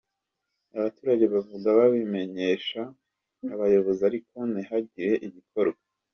Abaturage bavuga babimenyesha abayobozi ariko ntihagire igikorwa.